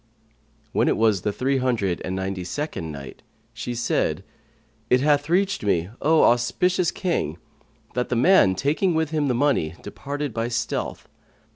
When it was the Three Hundred and Ninety second Night, She said, It hath reached me, O auspicious King, that the man, taking with him the money, departed by stealth.